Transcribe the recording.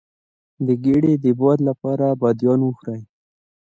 د ګیډې د باد لپاره بادیان وخورئ